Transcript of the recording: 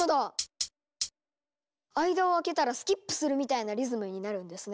間を空けたらスキップするみたいなリズムになるんですね。